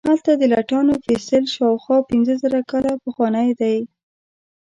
هلته د لټانو فسیل شاوخوا پنځه زره کاله پخوانی دی.